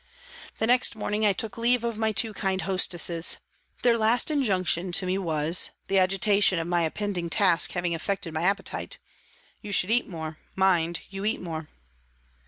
The next morning I took leave of my two kind hostesses. Their last injunction to me was, the agitation of my impending task having affected my appetite, " You should eat more ; mind you eat more."